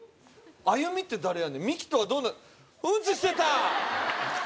アユミって誰やねんミキとはどうなうんちしてた！